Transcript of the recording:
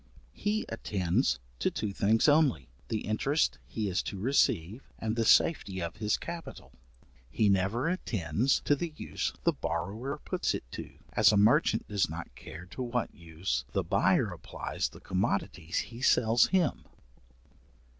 He attends to two things only, the interest he is to receive, and the safety of his capital. He never attends to the use the borrower puts it to, as a merchant does not care to what use the buyer applies the commodities he sells him.